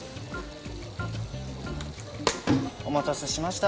お待たせしました。